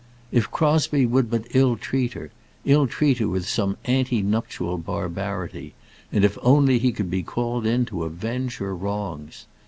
If Crosbie would but ill treat her, ill treat her with some antenuptial barbarity, and if only he could be called in to avenge her wrongs!